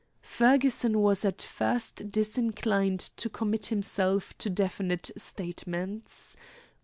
Fergusson was at first disinclined to commit himself to definite statements.